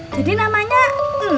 jadi namanya eneng apa nia